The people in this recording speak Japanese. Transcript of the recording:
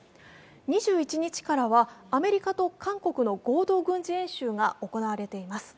２１日からはアメリカと韓国の合同軍事演習が行われています。